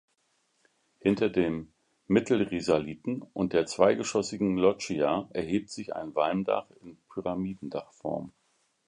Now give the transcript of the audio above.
Hinter dem Mittelrisaliten und der zweigeschossigen Loggia erhebt sich ein Walmdach in Pyramidendach-Form.